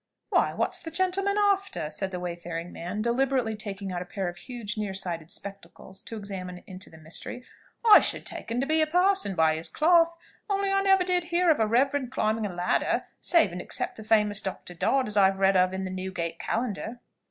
"Why, what's the gentleman after?" said the wayfaring man, deliberately taking out a pair of huge near sighted spectacles to examine into the mystery. "I should take un to be a parson by his cloth; only I never did hear of a reverend climbing a ladder, save and except the famous Dr. Dodd, as I've read of in the Newgate Calendar."